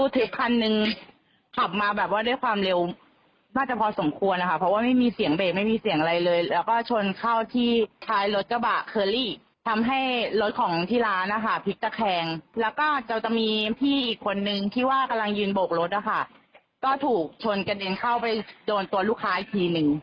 ตั้งแต่การเด็นเข้าเลยจนกระเด็นเข้าไปโดนตัวลูกค้าอีกทีนึง